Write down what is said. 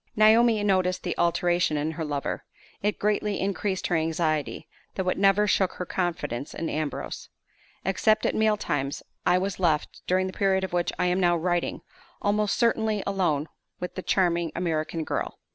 Naomi noticed the alteration in her lover. It greatly increased her anxiety, though it never shook her confidence in Ambrose. Except at meal times, I was left, during the period of which I am now writing, almost constantly alone with the charming American girl.